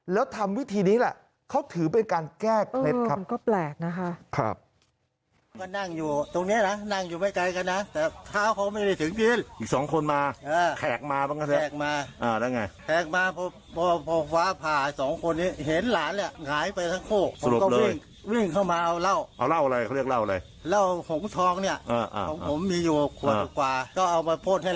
แล้วทำวิธีนี้แหละเค้าถือเป็นการแก้เคล็ดครับ